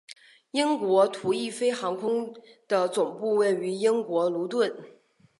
英国途易飞航空的总部位于英国卢顿。